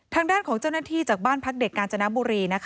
ทางด้านของเจ้าหน้าที่จากบ้านพักเด็กกาญจนบุรี